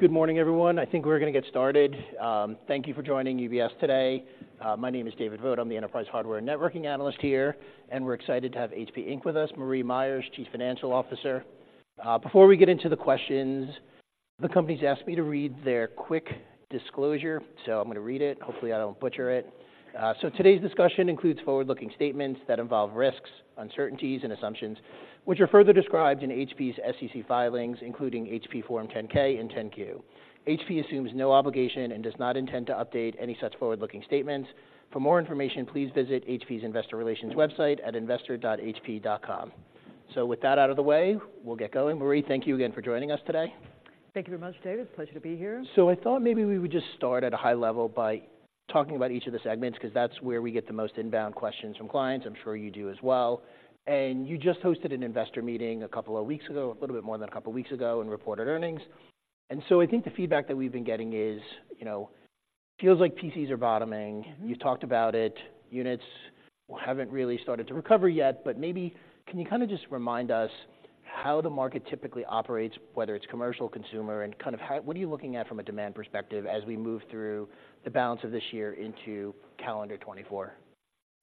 Good morning, everyone. I think we're gonna get started. Thank you for joining UBS today. My name is David Vogt. I'm the Enterprise Hardware and Networking Analyst here, and we're excited to have HP Inc. with us. Marie Myers, Chief Financial Officer. Before we get into the questions, the company's asked me to read their quick disclosure, so I'm gonna read it. Hopefully, I don't butcher it. So today's discussion includes forward-looking statements that involve risks, uncertainties, and assumptions, which are further described in HP's SEC filings, including HP Form 10-K and 10-Q. HP assumes no obligation and does not intend to update any such forward-looking statements. For more information, please visit HP's investor relations website at investor.hp.com. So with that out of the way, we'll get going. Marie, thank you again for joining us today. Thank you very much, David. Pleasure to be here. So I thought maybe we would just start at a high level by talking about each of the segments, 'cause that's where we get the most inbound questions from clients. I'm sure you do as well. And you just hosted an investor meeting a couple of weeks ago, a little bit more than a couple of weeks ago, and reported earnings. And so I think the feedback that we've been getting is, you know, feels like PCs are bottoming. Mm-hmm. You've talked about it. Units haven't really started to recover yet, but maybe can you kind of just remind us how the market typically operates, whether it's commercial, consumer, and kind of how—what are you looking at from a demand perspective as we move through the balance of this year into calendar 2024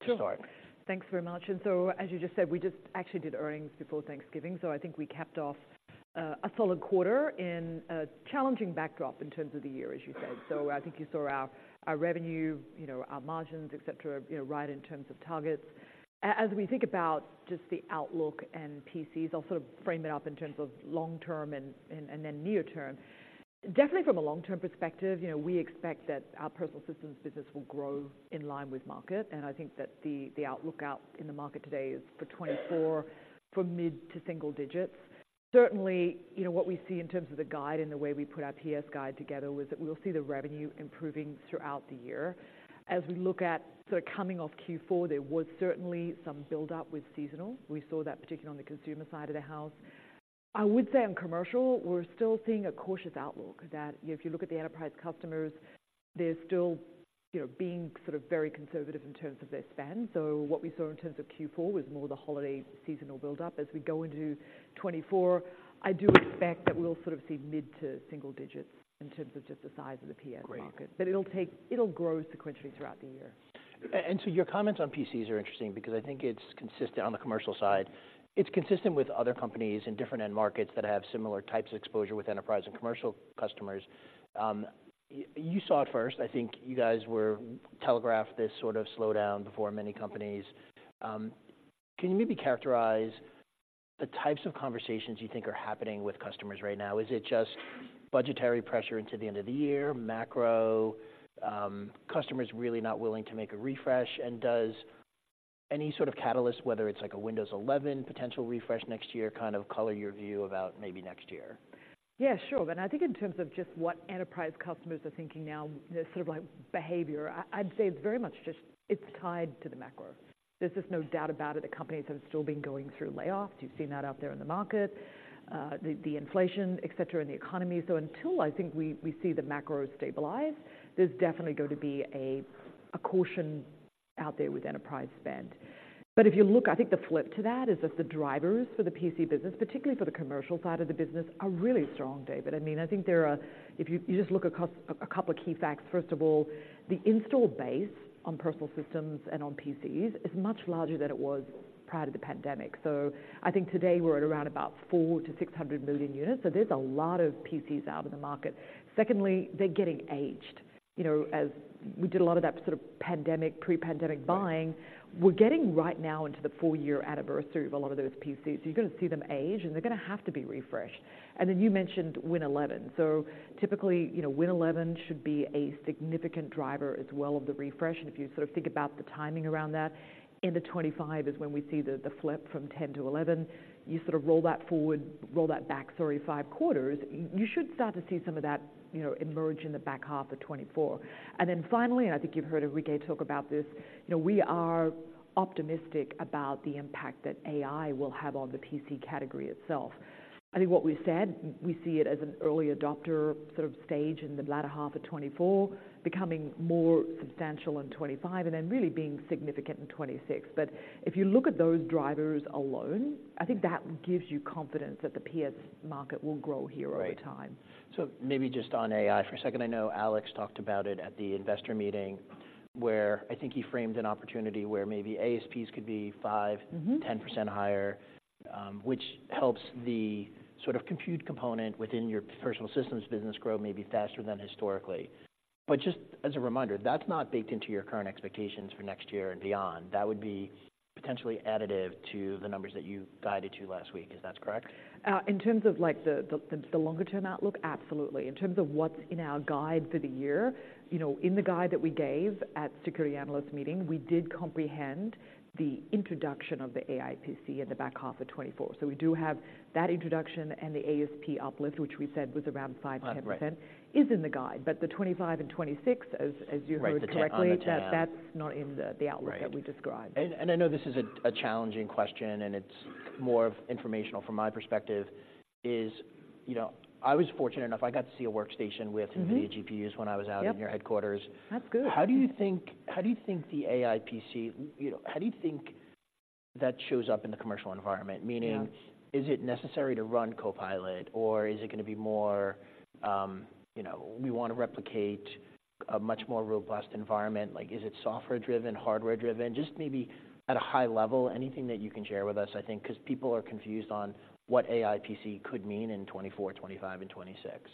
to start? Sure. Thanks very much. And so, as you just said, we just actually did earnings before Thanksgiving, so I think we capped off a solid quarter in a challenging backdrop in terms of the year, as you said. So I think you saw our revenue, you know, our margins, et cetera, you know, right in terms of targets. As we think about just the outlook and PCs, I'll sort of frame it up in terms of long-term and then near-term. Definitely from a long-term perspective, you know, we expect that our Personal Systems business will grow in line with market, and I think that the outlook out in the market today is for 2024, from mid- to single-digit. Certainly, you know, what we see in terms of the guide and the way we put our PS guide together was that we'll see the revenue improving throughout the year. As we look at sort of coming off Q4, there was certainly some buildup with seasonal. We saw that particularly on the consumer side of the house. I would say on commercial, we're still seeing a cautious outlook that, you know, if you look at the enterprise customers, they're still, you know, being sort of very conservative in terms of their spend. So what we saw in terms of Q4 was more the holiday seasonal buildup. As we go into 2024, I do expect that we'll sort of see mid- to single-digit in terms of just the size of the PS market. Great. But it'll grow sequentially throughout the year. And so your comments on PCs are interesting because I think it's consistent on the commercial side. It's consistent with other companies in different end markets that have similar types of exposure with enterprise and commercial customers. You saw it first. I think you guys were telegraphed this sort of slowdown before many companies. Can you maybe characterize the types of conversations you think are happening with customers right now? Is it just budgetary pressure into the end of the year, macro, customers really not willing to make a refresh? And does any sort of catalyst, whether it's like a Windows 11 potential refresh next year, kind of color your view about maybe next year? Yeah, sure. And I think in terms of just what enterprise customers are thinking now, their sort of like behavior, I'd say it's very much just it's tied to the macro. There's just no doubt about it, that companies have still been going through layoffs. You've seen that out there in the market. The inflation, et cetera, in the economy. So until I think we see the macro stabilize, there's definitely going to be a caution out there with enterprise spend. But if you look, I think the flip to that is that the drivers for the PC business, particularly for the commercial side of the business, are really strong, David. I mean, I think there are... If you just look across a couple of key facts. First of all, the installed base on Personal Systems and on PCs is much larger than it was prior to the pandemic. So I think today we're at around about 400-600 million units, so there's a lot of PCs out in the market. Secondly, they're getting aged. You know, as we did a lot of that sort of pandemic, pre-pandemic buying- Right We're getting right now into the four-year anniversary of a lot of those PCs. So you're going to see them age, and they're going to have to be refreshed. And then you mentioned Win 11. So typically, you know, Win 11 should be a significant driver as well of the refresh. And if you sort of think about the timing around that, end of 2025 is when we see the flip from 10 to 11. You sort of roll that forward, roll that back sorry, five quarters, you should start to see some of that, you know, emerge in the back half of 2024. And then finally, and I think you've heard Enrique talk about this, you know, we are optimistic about the impact that AI will have on the PC category itself. I think what we've said, we see it as an early adopter sort of stage in the latter half of 2024, becoming more substantial in 2025, and then really being significant in 2026. But if you look at those drivers alone, I think that gives you confidence that the PS market will grow here over time. Right. So maybe just on AI for a second. I know Alex talked about it at the investor meeting, where I think he framed an opportunity where maybe ASPs could be five- Mm-hmm 10% higher, which helps the sort of compute component within your Personal Systems business grow maybe faster than historically. But just as a reminder, that's not baked into your current expectations for next year and beyond. That would be potentially additive to the numbers that you guided to last week. Is that correct? In terms of, like, the longer term outlook? Absolutely. In terms of what's in our guide for the year, you know, in the guide that we gave at Security Analyst Meeting, we did comprehend the introduction of the AI PC in the back half of 2024. So we do have that introduction and the ASP uplift, which we said was around 5%-10%. Uh, right Is in the guide. But the 2025 and 2026, as you heard correctly- Right, on the tab. That's not in the outlook- Right That we described. I know this is a challenging question, and it's more of informational from my perspective, you know, I was fortunate enough, I got to see a workstation with- Mm-hmm GPUs when I was out in your headquarters. Yep. That's good. How do you think the AI PC... You know, how do you think that shows up in the commercial environment? Yeah. Meaning, is it necessary to run Copilot, or is it gonna be more, you know, we want to replicate a much more robust environment? Like, is it software-driven, hardware-driven? Just maybe at a high level, anything that you can share with us, I think, because people are confused on what AI PC could mean in 2024, 2025, and 2026.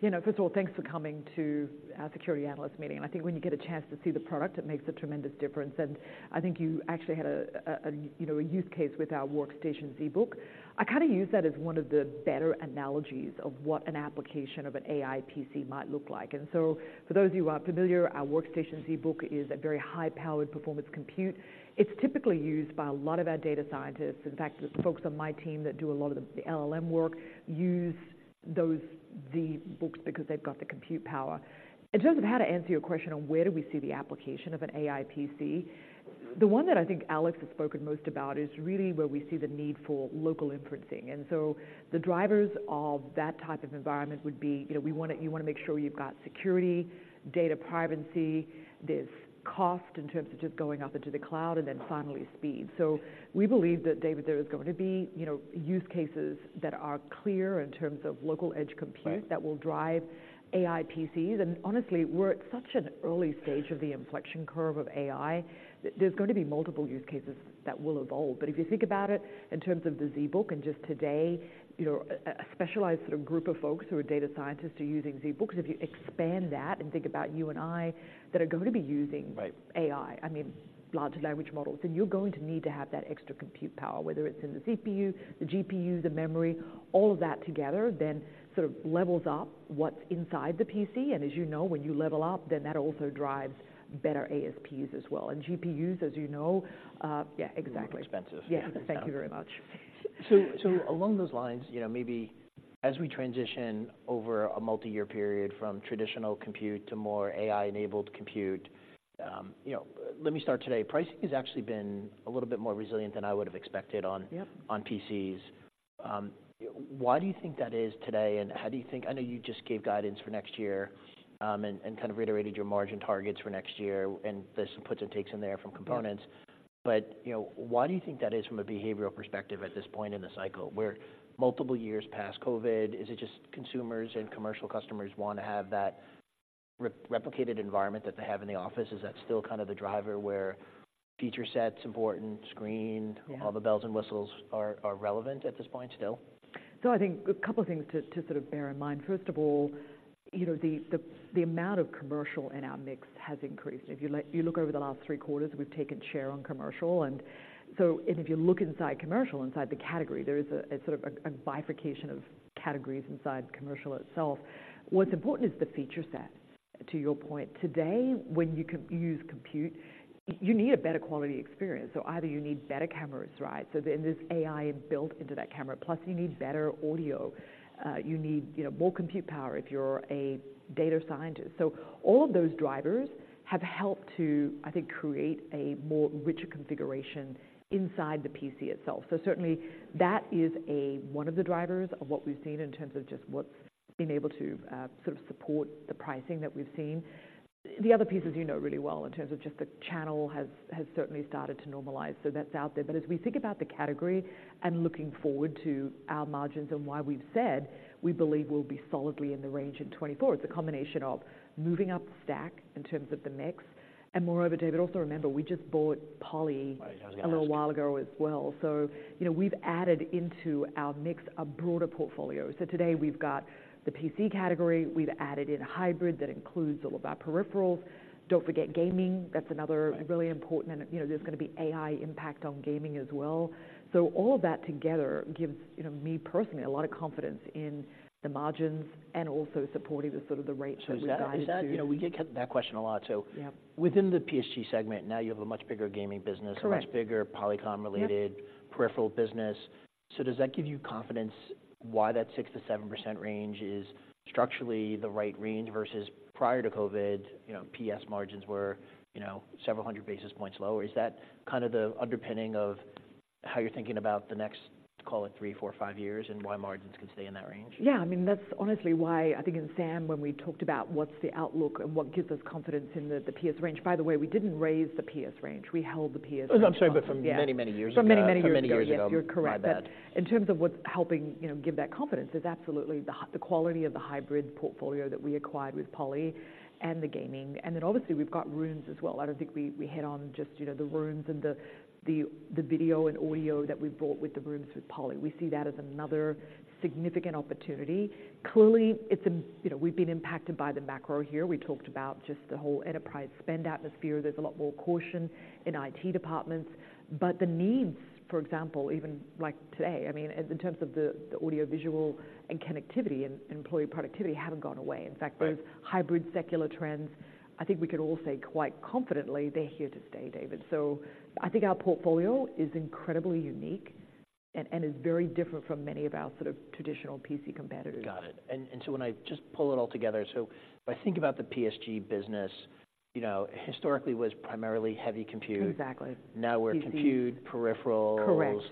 You know, first of all, thanks for coming to our Security Analyst Meeting. I think when you get a chance to see the product, it makes a tremendous difference. I think you actually had, you know, a use case with our workstation ZBook. I kind of use that as one of the better analogies of what an application of an AI PC might look like. So for those of you who are familiar, our workstation ZBook is a very high-powered performance compute. It's typically used by a lot of our data scientists. In fact, the folks on my team that do a lot of the LLM work use those ZBooks because they've got the compute power. In terms of how to answer your question on where do we see the application of an AI PC, the one that I think Alex has spoken most about is really where we see the need for local inferencing. And so the drivers of that type of environment would be, you know, you wanna make sure you've got security, data privacy, there's cost in terms of just going out into the cloud, and then finally, speed. So we believe that, David, there is going to be, you know, use cases that are clear in terms of local edge compute- Right That will drive AI PCs. And honestly, we're at such an early stage of the inflection curve of AI that there's going to be multiple use cases that will evolve. But if you think about it in terms of the ZBook and just today, you know, a specialized sort of group of folks who are data scientists are using ZBooks. If you expand that and think about you and I, that are going to be using- Right AI, I mean, large language models, then you're going to need to have that extra compute power, whether it's in the CPU, the GPU, the memory, all of that together then sort of levels up what's inside the PC. And as you know, when you level up, then that also drives better ASPs as well. And GPUs, as you know, Yeah, exactly. Expensive. Yeah. Thank you very much. So, along those lines, you know, maybe as we transition over a multi-year period from traditional compute to more AI-enabled compute, you know, let me start today. Pricing has actually been a little bit more resilient than I would have expected on- Yep On PCs. Why do you think that is today, and how do you think, I know you just gave guidance for next year, and kind of reiterated your margin targets for next year, and there's some puts and takes in there from components. Yeah. You know, why do you think that is from a behavioral perspective at this point in the cycle, where multiple years past COVID, is it just consumers and commercial customers wanna have that re-replicated environment that they have in the office? Is that still kind of the driver where feature set's important, screen- Yeah All the bells and whistles are relevant at this point still? So I think a couple of things to sort of bear in mind. First of all, you know, the amount of commercial in our mix has increased. If you like, you look over the last three quarters, we've taken share on commercial, and so. And if you look inside commercial, inside the category, there is a sort of a bifurcation of categories inside commercial itself. What's important is the feature set. To your point, today, when you use compute, you need a better quality experience. So either you need better cameras, right? So then there's AI built into that camera, plus you need better audio. You need, you know, more compute power if you're a data scientist. So all of those drivers have helped to, I think, create a more richer configuration inside the PC itself. So certainly that is a one of the drivers of what we've seen in terms of just what's been able to sort of support the pricing that we've seen. The other pieces you know really well in terms of just the channel has certainly started to normalize. So that's out there. But as we think about the category and looking forward to our margins and why we've said we believe we'll be solidly in the range in 2024, it's a combination of moving up the stack in terms of the mix. And moreover, David, also remember, we just bought Poly- Right, a little while ago. A little while ago as well. So, you know, we've added into our mix a broader portfolio. So today we've got the PC category. We've added in a hybrid that includes all of our peripherals. Don't forget gaming, that's another- Right Really important, and, you know, there's going to be AI impact on gaming as well. So all of that together gives, you know, me personally, a lot of confidence in the margins and also supporting the sort of the rates that we guide to. So, is that, you know, we get that question a lot, so. Yeah Within the PSG segment, now you have a much bigger gaming business- Correct A much bigger Polycom-related- Yep Peripheral business. So does that give you confidence why that 6%-7% range is structurally the right range versus prior to COVID, you know, PS margins were, you know, several hundred basis points lower? Is that kind of the underpinning of how you're thinking about the next, call it, three, four, five years, and why margins can stay in that range? Yeah, I mean, that's honestly why I think in SAM, when we talked about what's the outlook and what gives us confidence in the, the PS range. By the way, we didn't raise the PS range. We held the PS range. I'm sorry, but from many, many years ago. From many, many years ago. From many years ago. You're correct. My bad. But in terms of what's helping, you know, give that confidence is absolutely the quality of the hybrid portfolio that we acquired with Poly and the gaming. And then obviously, we've got rooms as well. I don't think we hit on just, you know, the rooms and the video and audio that we bought with the rooms with Poly. We see that as another significant opportunity. Clearly, it's a... You know, we've been impacted by the macro here. We talked about just the whole enterprise spend atmosphere. There's a lot more caution in IT departments, but the needs, for example, even like today, I mean, in terms of the audiovisual and connectivity and employee productivity, haven't gone away. Right. In fact, those hybrid secular trends, I think we can all say quite confidently, they're here to stay, David. So I think our portfolio is incredibly unique and is very different from many of our sort of traditional PC competitors. Got it. So when I just pull it all together, so if I think about the PSG business, you know, historically was primarily heavy compute. Exactly. Now we're compute, peripherals- Correct.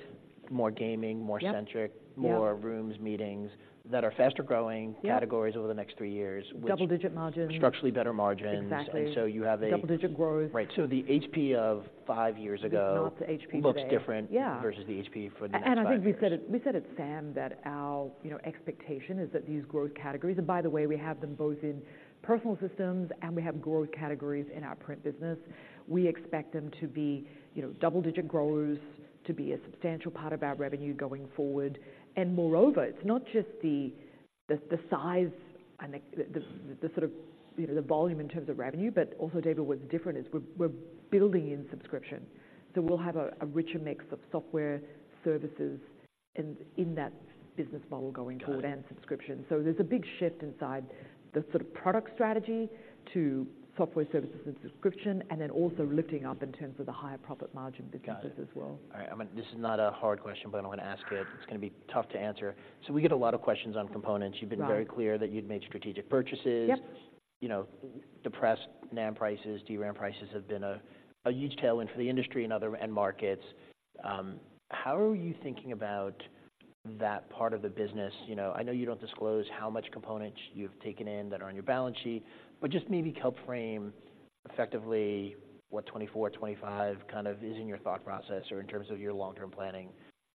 More gaming, more centric- Yep. More rooms, meetings that are faster growing- Yep. Categories over the next three years. Double-digit margins. Structurally, better margins. Exactly. And so you have a- Double-digit growth. Right. So the HP of five years ago- Is not the HP today. Looks different- Yeah Versus the HP for the next five years. I think we said it, we said it, SAM, that our, you know, expectation is that these growth categories, and by the way, we have them both in Personal Systems, and we have growth categories in our print business. We expect them to be, you know, double digit growers, to be a substantial part of our revenue going forward. And moreover, it's not just the size and the sort of, you know, the volume in terms of revenue, but also, David, what's different is we're building in subscription. So we'll have a richer mix of software services in that business model going forward. Got it. Subscription. So there's a big shift inside the sort of product strategy to software services and subscription, and then also lifting up in terms of the higher profit margin businesses as well. Got it. All right, I'm gonna... This is not a hard question, but I'm gonna ask it. It's gonna be tough to answer. So we get a lot of questions on components. Right. You've been very clear that you'd made strategic purchases. Yep. You know, depressed NAND prices, DRAM prices have been a huge tailwind for the industry and other markets. How are you thinking about that part of the business? You know, I know you don't disclose how much components you've taken in that are on your balance sheet, but just maybe help frame effectively what 2024, 2025 kind of is in your thought process or in terms of your long-term planning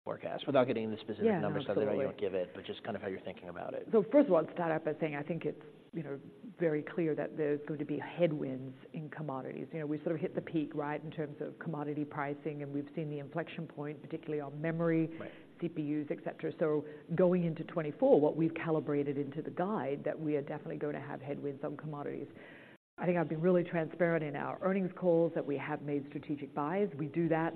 forecast, without getting into specific numbers- Absolutely Since I know you don't give it, but just kind of how you're thinking about it. So first of all, I'd start out by saying, I think it's, you know, very clear that there's going to be headwinds in commodities. You know, we sort of hit the peak, right, in terms of commodity pricing, and we've seen the inflection point, particularly on memory- Right CPUs, et cetera. So going into 2024, what we've calibrated into the guide, that we are definitely going to have headwinds on commodities. I think I've been really transparent in our earnings calls that we have made strategic buys. We do that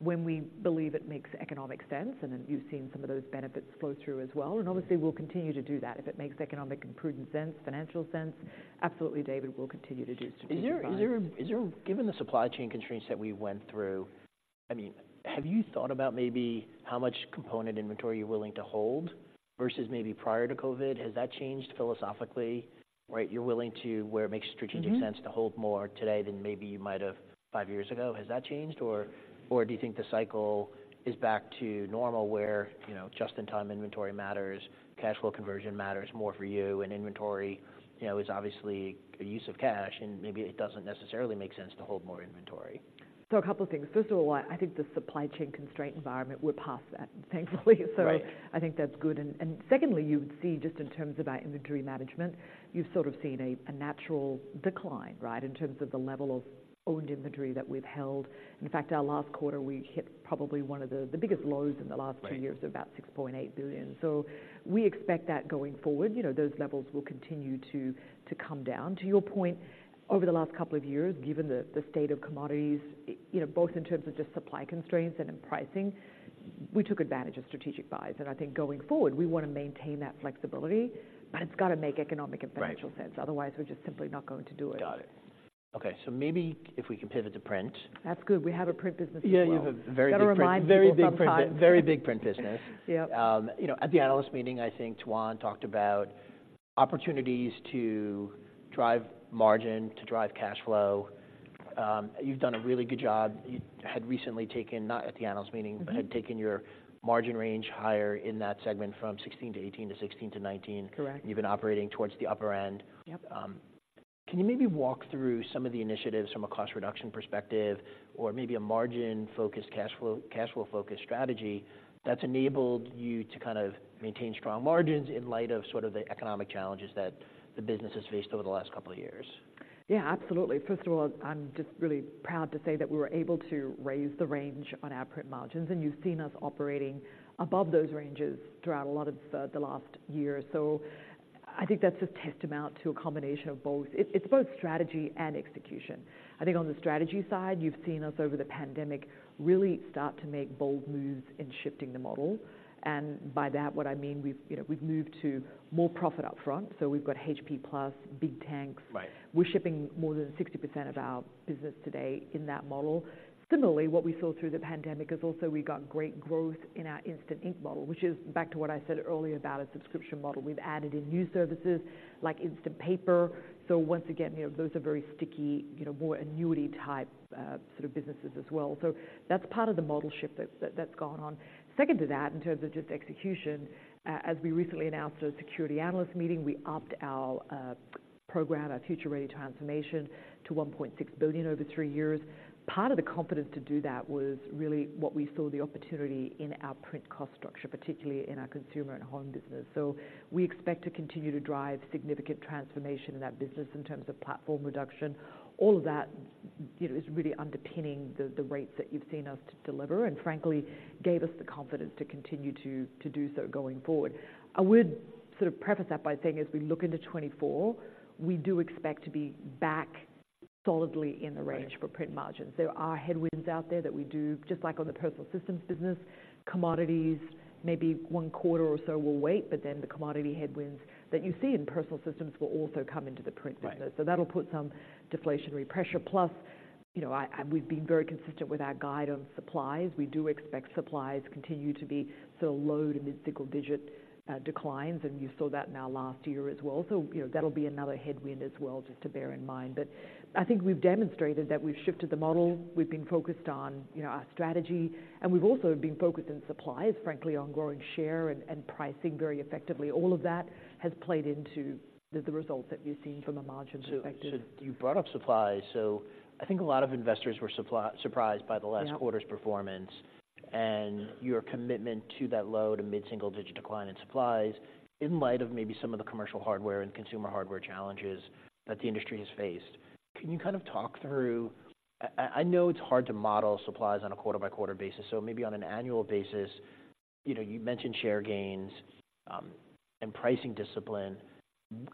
when we believe it makes economic sense, and then you've seen some of those benefits flow through as well. Right. Obviously, we'll continue to do that. If it makes economic and prudent sense, financial sense, absolutely, David, we'll continue to do strategic buys. Is there—Given the supply chain constraints that we went through, I mean, have you thought about maybe how much component inventory you're willing to hold versus maybe prior to COVID? Has that changed philosophically? Right, you're willing to, where it makes strategic sense- Mm-hmm To hold more today than maybe you might have five years ago. Has that changed, or do you think the cycle is back to normal, where, you know, just-in-time inventory matters, cash flow conversion matters more for you, and inventory, you know, is obviously a use of cash, and maybe it doesn't necessarily make sense to hold more inventory? A couple things. First of all, I think the supply chain constraint environment. We're past that, thankfully, so- Right I think that's good. And secondly, you would see just in terms of our inventory management, you've sort of seen a natural decline, right, in terms of the level of owned inventory that we've held. In fact, our last quarter, we hit probably one of the biggest lows in the last two years- Right About $6.8 billion. So we expect that going forward. You know, those levels will continue to come down. To your point, over the last couple of years, given the state of commodities, you know, both in terms of just supply constraints and in pricing, we took advantage of strategic buys. And I think going forward, we want to maintain that flexibility, but it's got to make economic and financial sense. Right. Otherwise, we're just simply not going to do it. Got it. Okay, so maybe if we can pivot to print. That's good. We have a print business as well. Yeah, you have a very big- Gotta remind people sometimes. Very big print, very big print business. Yep. You know, at the analyst meeting, I think Tuan talked about opportunities to drive margin, to drive cash flow. You've done a really good job. You had recently taken, not at the analyst meeting- Mm-hmm But had taken your margin range higher in that segment from 16%-18% to 16%-19%. Correct. You've been operating toward the upper end. Yep. Can you maybe walk through some of the initiatives from a cost reduction perspective or maybe a margin-focused cash flow, cash flow-focused strategy that's enabled you to kind of maintain strong margins in light of sort of the economic challenges that the business has faced over the last couple of years? Yeah, absolutely. First of all, I'm just really proud to say that we were able to raise the range on our print margins, and you've seen us operating above those ranges throughout a lot of the last year. So I think that's a testament to a combination of both. It's both strategy and execution. I think on the strategy side, you've seen us over the pandemic, really start to make bold moves in shifting the model. And by that, what I mean, we've, you know, we've moved to more profit up front, so we've got HP+, Big Tanks. Right. We're shipping more than 60% of our business today in that model. Similarly, what we saw through the pandemic is also we got great growth in our Instant Ink model, which is back to what I said earlier about a subscription model. We've added in new services like instant paper. So once again, you know, those are very sticky, you know, more annuity type, sort of businesses as well. So that's part of the model shift that's gone on. Second to that, in terms of just execution, as we recently announced at a security analyst meeting, we upped our program, our Future Ready transformation to $1.6 billion over three years. Part of the confidence to do that was really what we saw the opportunity in our print cost structure, particularly in our consumer and home business. So we expect to continue to drive significant transformation in that business in terms of platform reduction. All of that, you know, is really underpinning the rates that you've seen us deliver, and frankly, gave us the confidence to continue to do so going forward. I would sort of preface that by saying, as we look into 2024, we do expect to be back solidly in the range- Right For print margins. There are headwinds out there that we do, just like on the Personal Systems business, commodities, maybe one quarter or so will wait, but then the commodity headwinds that you see in Personal Systems will also come into the print business. Right. So that'll put some deflationary pressure. Plus, you know, I and we've been very consistent with our guide on supplies. We do expect supplies continue to be still low- to mid-single-digit declines, and you saw that in our last year as well. So, you know, that'll be another headwind as well, just to bear in mind. But I think we've demonstrated that we've shifted the model. We've been focused on, you know, our strategy, and we've also been focused on supplies, frankly, on growing share and pricing very effectively. All of that has played into the results that we've seen from a margin perspective. So you brought up supplies. So I think a lot of investors were supply surprised by the- Yeah Last quarter's performance and your commitment to that low to mid-single digit decline in supplies, in light of maybe some of the commercial hardware and consumer hardware challenges that the industry has faced. Can you kind of talk through... I know it's hard to model supplies on a quarter-by-quarter basis, so maybe on an annual basis, you know, you mentioned share gains, and pricing discipline.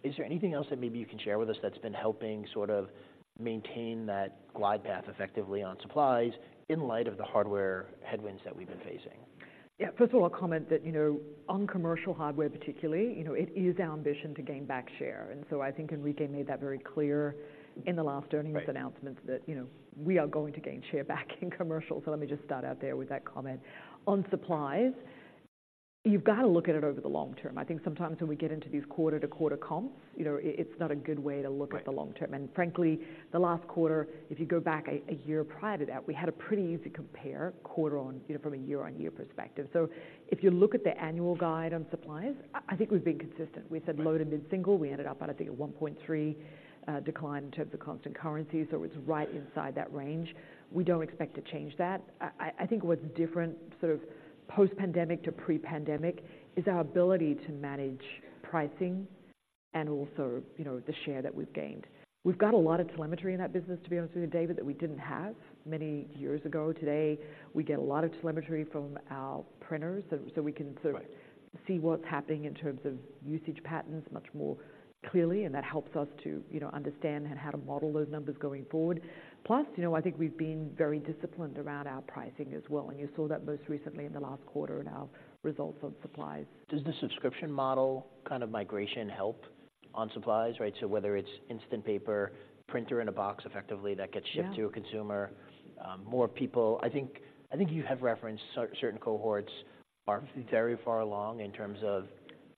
Is there anything else that maybe you can share with us that's been helping sort of maintain that glide path effectively on supplies in light of the hardware headwinds that we've been facing? Yeah. First of all, I'll comment that, you know, on commercial hardware particularly, you know, it is our ambition to gain back share. And so I think Enrique made that very clear in the last earnings announcements- Right That, you know, we are going to gain share back in commercial. So let me just start out there with that comment. On supplies, you've got to look at it over the long term. I think sometimes when we get into these quarter-to-quarter comps, you know, it's not a good way to look at the long term. Right. And frankly, the last quarter, if you go back a year prior to that, we had a pretty easy compare quarter, you know, from a year-on-year perspective. So if you look at the annual guide on supplies, I think we've been consistent. Right. We said low to mid-single. We ended up at, I think, a 1.3 decline in terms of constant currency, so it's right inside that range. We don't expect to change that. I think what's different, sort of post-pandemic to pre-pandemic, is our ability to manage pricing and also, you know, the share that we've gained. We've got a lot of telemetry in that business, to be honest with you, David, that we didn't have many years ago. Today, we get a lot of telemetry from our printers, so we can sort of- Right See what's happening in terms of usage patterns much more clearly, and that helps us to, you know, understand how to model those numbers going forward. Plus, you know, I think we've been very disciplined around our pricing as well, and you saw that most recently in the last quarter in our results on supplies. Does the subscription model kind of migration help on supplies, right? So whether it's Instant Ink, printer in a box, effectively, that gets shipped- Yeah To a consumer, more people... I think, I think you have referenced certain cohorts aren't very far along in terms of-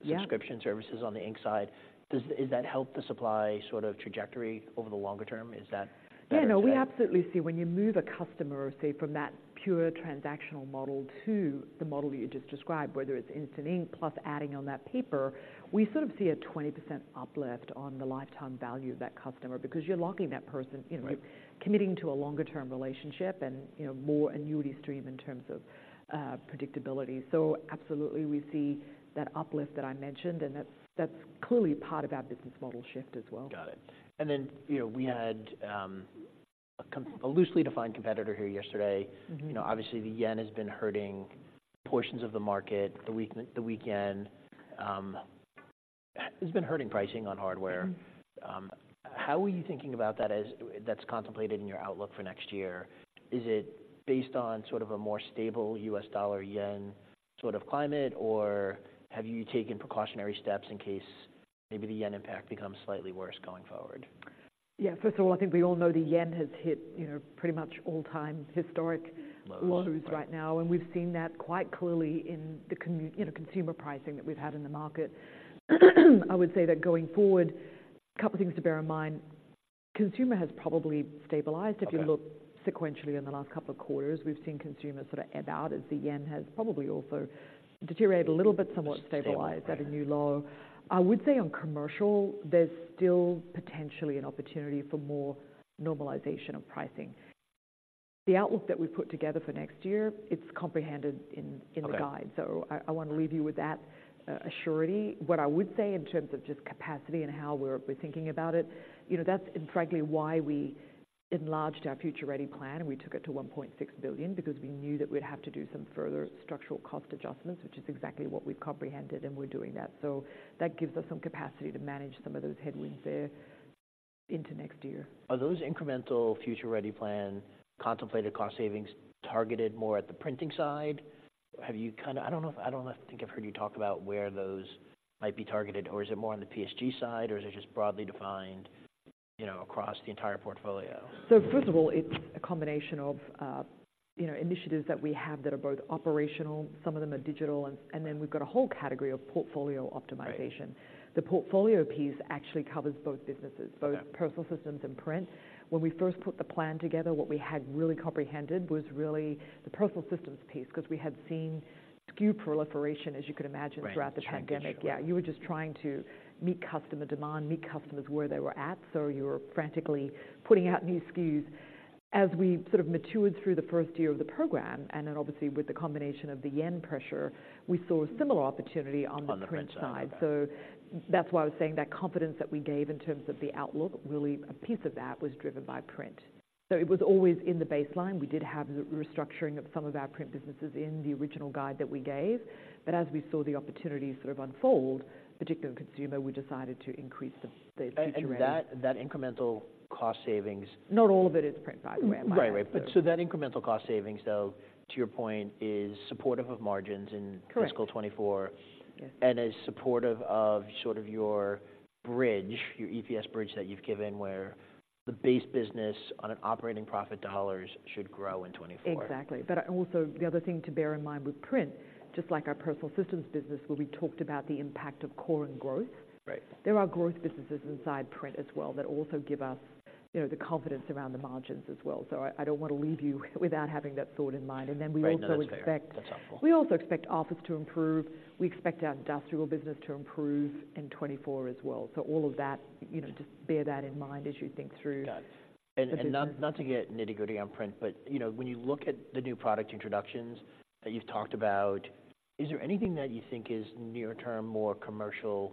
Yeah Subscription services on the ink side. Does that help the supply sort of trajectory over the longer term? Is that fair to say? Yeah, no, we absolutely see when you move a customer, say, from that pure transactional model to the model you just described, whether it's Instant Ink plus adding on that paper, we sort of see a 20% uplift on the lifetime value of that customer, because you're locking that person, you know- Right Committing to a longer term relationship and, you know, more annuity stream in terms of, predictability. So absolutely, we see that uplift that I mentioned, and that's, that's clearly part of our business model shift as well. Got it. And then, you know, we had a loosely defined competitor here yesterday. Mm-hmm. You know, obviously, the yen has been hurting portions of the market, the week, the weekend. It's been hurting pricing on hardware. Mm-hmm. How are you thinking about that as that's contemplated in your outlook for next year? Is it based on sort of a more stable U.S. dollar/yen sort of climate, or have you taken precautionary steps in case maybe the yen impact becomes slightly worse going forward? Yeah. First of all, I think we all know the yen has hit, you know, pretty much all-time historic- Lows Lows right now. We've seen that quite clearly in the consumer pricing that we've had in the market. I would say that going forward, a couple things to bear in mind, consumer has probably stabilized. Okay. If you look sequentially in the last couple of quarters, we've seen consumer sort of ebb out as the yen has probably also deteriorated a little bit, somewhat stabilized- Right At a new low. I would say on commercial, there's still potentially an opportunity for more normalization of pricing. The outlook that we've put together for next year, it's comprehended in the guide. Okay. So I want to leave you with that assurance. What I would say in terms of just capacity and how we're thinking about it, you know, that's frankly why we enlarged our Future Ready plan, and we took it to $1.6 billion, because we knew that we'd have to do some further structural cost adjustments, which is exactly what we've comprehended, and we're doing that. So that gives us some capacity to manage some of those headwinds there into next year. Are those incremental Future Ready plan contemplated cost savings targeted more at the printing side? Have you kinda... I don't know if, I don't think I've heard you talk about where those might be targeted, or is it more on the PSG side, or is it just broadly defined, you know, across the entire portfolio? First of all, it's a combination of, you know, initiatives that we have that are both operational, some of them are digital, and- Right And then we've got a whole category of portfolio optimization. Right. The portfolio piece actually covers both businesses- Got it Both Personal Systems and print. When we first put the plan together, what we had really comprehended was really the Personal Systems piece, because we had seen SKU proliferation, as you can imagine- Right, challenging Throughout the pandemic. Yeah, you were just trying to meet customer demand, meet customers where they were at, so you were frantically putting out new SKUs. As we sort of matured through the first year of the program, and then obviously with the combination of the yen pressure, we saw a similar opportunity on the print side. On the print side, okay. So that's why I was saying that confidence that we gave in terms of the outlook, really a piece of that was driven by print. So it was always in the baseline. We did have the restructuring of some of our print businesses in the original guide that we gave. But as we saw the opportunities sort of unfold, particularly in consumer, we decided to increase the Future Ready. That incremental cost savings- Not all of it is print, by the way. Right, right. So, so that incremental cost savings, though, to your point, is supportive of margins in- Correct Fiscal 2024. Yeah. Is supportive of sort of your bridge, your EPS bridge that you've given, where the base business on an operating profit dollars should grow in 2024. Exactly. But also, the other thing to bear in mind with print, just like our Personal Systems business, where we talked about the impact of core and growth. Right. There are growth businesses inside print as well, that also give us, you know, the confidence around the margins as well. So I don't wanna leave you without having that thought in mind. Yeah. And then we also expect- That's fair. That's helpful. We also expect office to improve. We expect our industrial business to improve in 2024 as well. So all of that, you know, just bear that in mind as you think through. Got it. Okay. Not to get nitty-gritty on print, but, you know, when you look at the new product introductions that you've talked about, is there anything that you think is near term, more commercial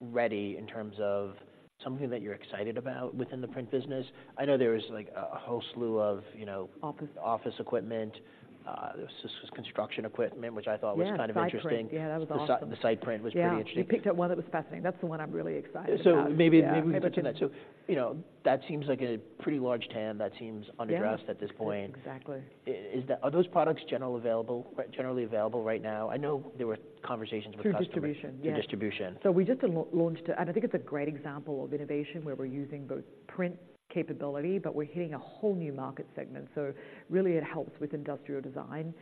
ready in terms of something that you're excited about within the print business? I know there is, like, a whole slew of, you know- Office Office equipment, this was construction equipment, which I thought was- Yeah Kind of interesting. SitePrint. Yeah, that was awesome. The SitePrint was pretty interesting. Yeah. You picked out one that was fascinating. That's the one I'm really excited about. So maybe, maybe we'll touch on that. So, you know, that seems like a pretty large TAM that seems- Yeah Undressed at this point. Exactly. Is... Are those products generally available right now? I know there were conversations with customers. Through distribution. Through distribution. So we just launched, and I think it's a great example of innovation, where we're using both print capability, but we're hitting a whole new market segment. So really, it helps with industrial design.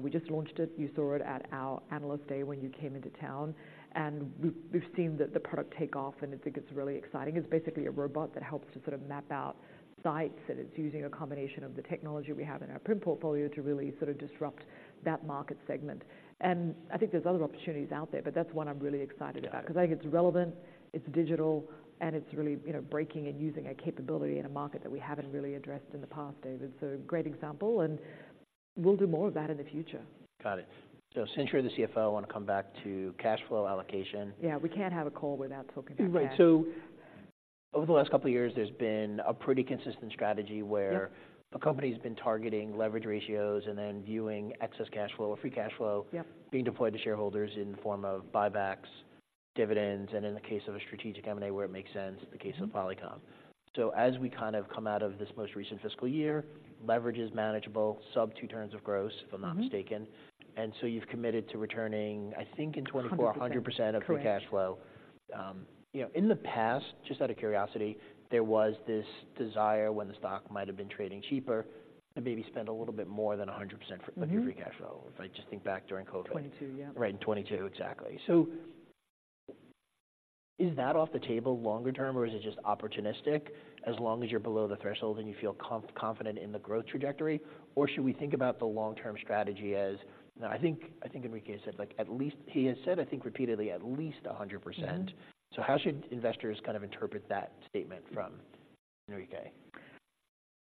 We just launched it. You saw it at our analyst day when you came into town, and we've seen the product take off, and I think it's really exciting. It's basically a robot that helps to sort of map out sites, and it's using a combination of the technology we have in our print portfolio to really sort of disrupt that market segment. And I think there's other opportunities out there, but that's one I'm really excited about. Yeah. 'Cause I think it's relevant, it's digital, and it's really, you know, breaking and using a capability in a market that we haven't really addressed in the past, David. So great example, and we'll do more of that in the future. Got it. So since you're the CFO, I wanna come back to cash flow allocation. Yeah, we can't have a call without talking about cash. Right. So over the last couple of years, there's been a pretty consistent strategy where- Yeah The company's been targeting leverage ratios and then viewing excess cash flow or free cash flow. Yeah Being deployed to shareholders in the form of buybacks, dividends, and in the case of a strategic M&A, where it makes sense. Mm-hmm in the case of Polycom. So as we kind of come out of this most recent fiscal year, leverage is manageable, sub-2 turns of gross- Mm-hmm if I'm not mistaken. And so you've committed to returning, I think, in 2024- Hundred percent 100% of the cash flow. Correct. You know, in the past, just out of curiosity, there was this desire when the stock might have been trading cheaper, to maybe spend a little bit more than 100%- Mm-hmm For the free cash flow. If I just think back during COVID. 2022, yeah. Right, in 2022. Exactly. So is that off the table longer term, or is it just opportunistic? As long as you're below the threshold and you feel confident in the growth trajectory, or should we think about the long-term strategy as... Now, I think, I think Enrique said, like, at least he has said, I think repeatedly, at least 100%. Mm-hmm. How should investors kind of interpret that statement from Enrique?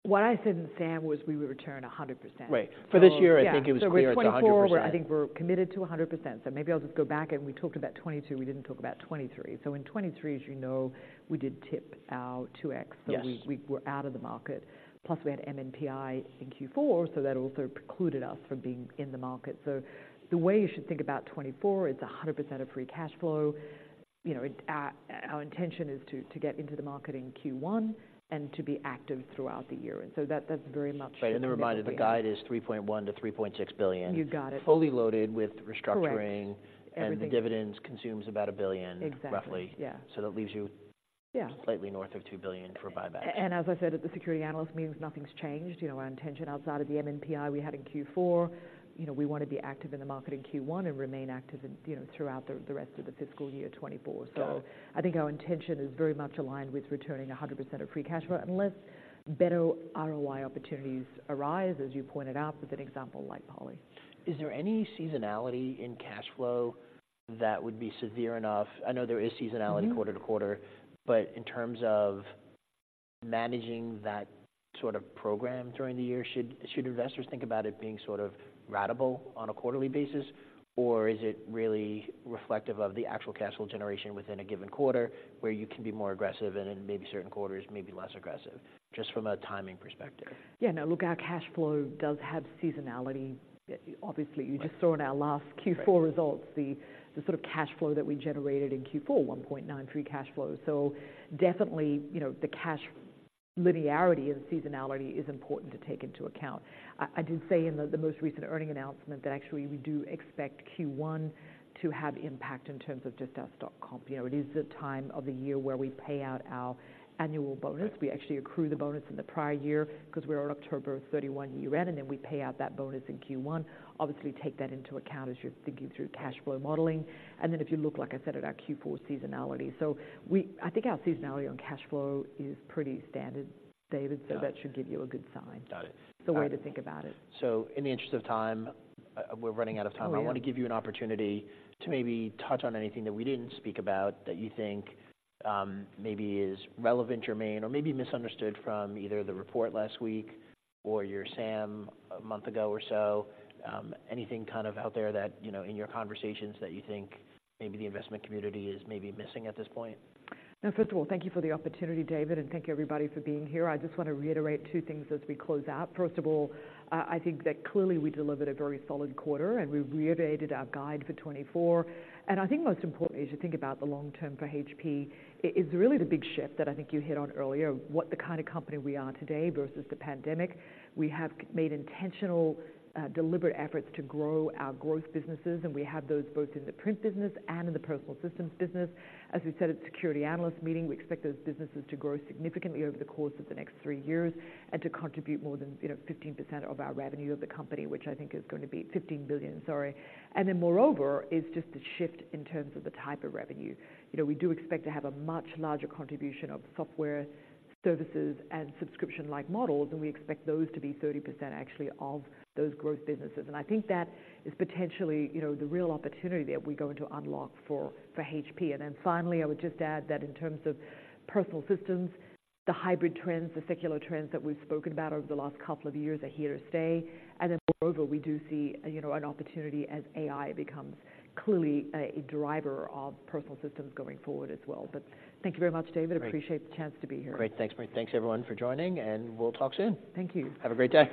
What I said in SAM was, we would return 100%. Right. So- For this year, I think it was clear it's 100%. Yeah, so in 2024, we're, I think we're committed to 100%. So maybe I'll just go back a bit. We talked about 2022, we didn't talk about 2023. So in 2023, as you know, we did tip our 2x. Yes. So we were out of the market, plus we had MNPI in Q4, so that also precluded us from being in the market. So the way you should think about 2024 is 100% of free cash flow. You know, it, our intention is to get into the market in Q1 and to be active throughout the year, and so that, that's very much- Right, and then remind them, the guide is $3.1 billion-$3.6 billion. You got it. Fully loaded with restructuring- Correct. And the dividends consumes about $1 billion- Exactly Roughly. Yeah. So that leaves you- Yeah Slightly north of $2 billion for buybacks. And as I said, at the Security Analyst Meeting, nothing's changed. You know, our intention outside of the MNPI we had in Q4, you know, we want to be active in the market in Q1 and remain active in, you know, throughout the rest of the fiscal year 2024. Got it. I think our intention is very much aligned with returning 100% of Free Cash Flow, unless better ROI opportunities arise, as you pointed out, with an example like Poly. Is there any seasonality in cash flow that would be severe enough? I know there is seasonality- Mm-hmm Quarter-to-quarter, but in terms of managing that sort of program during the year, should investors think about it being sort of ratable on a quarterly basis? Or is it really reflective of the actual cash flow generation within a given quarter, where you can be more aggressive and in maybe certain quarters, maybe less aggressive, just from a timing perspective? Yeah, now, look, our cash flow does have seasonality. Obviously, you just saw in our last Q4 results- Right The sort of cash flow that we generated in Q4, $1.93 cash flow. So definitely, you know, the cash linearity and seasonality is important to take into account. I did say in the most recent earnings announcement that actually we do expect Q1 to have impact in terms of just our stock comp. You know, it is the time of the year where we pay out our annual bonus. Right. We actually accrue the bonus in the prior year because we're an October 31 year-end, and then we pay out that bonus in Q1. Obviously, take that into account as you're thinking through cash flow modeling. And then if you look, like I said, at our Q4 seasonality. So, we—I think our seasonality on cash flow is pretty standard, David. Got it. So that should give you a good sign. Got it. It's a way to think about it. So in the interest of time, we're running out of time. Oh, yeah. I want to give you an opportunity to maybe touch on anything that we didn't speak about that you think maybe is relevant, or main, or maybe misunderstood from either the report last week or your SAM a month ago or so. Anything kind of out there that, you know, in your conversations, that you think maybe the investment community is maybe missing at this point? Now, first of all, thank you for the opportunity, David, and thank you, everybody, for being here. I just want to reiterate two things as we close out. First of all, I think that clearly we delivered a very solid quarter, and we reiterated our guide for 2024. And I think most importantly, as you think about the long term for HP, it's really the big shift that I think you hit on earlier, what the kind of company we are today versus the pandemic. We have made intentional, deliberate efforts to grow our growth businesses, and we have those both in the print business and in the Personal Systems business. As we said at the Security Analyst Meeting, we expect those businesses to grow significantly over the course of the next three years and to contribute more than, you know, 15% of our revenue of the company, which I think is going to be $15 billion, sorry. And then moreover, is just the shift in terms of the type of revenue. You know, we do expect to have a much larger contribution of software services and subscription-like models, and we expect those to be 30% actually, of those growth businesses. And I think that is potentially, you know, the real opportunity there we're going to unlock for HP. And then finally, I would just add that in terms of Personal Systems, the hybrid trends, the secular trends that we've spoken about over the last couple of years are here to stay. And then moreover, we do see, you know, an opportunity as AI becomes clearly a driver of Personal Systems going forward as well. But thank you very much, David. Great. I appreciate the chance to be here. Great. Thanks, Marie. Thanks, everyone, for joining, and we'll talk soon. Thank you. Have a great day.